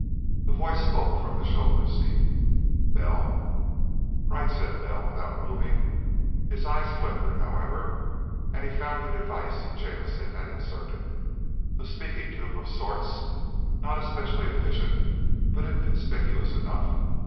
A voice spoke from the chauffeur's seat. "Bell." "Right," said Bell without moving. His eyes flickered, however, and he found the device Jamison had inserted. A speaking tube of sorts. Not especially efficient, but inconspicuous enough.